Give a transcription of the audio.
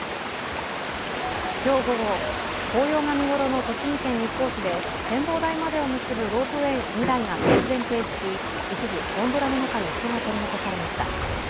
今日午後、紅葉が見頃の栃木県日光市で、展望台までを結ぶロープウエー２台が突然停止し一時、ゴンドラの中に人が取り残されました。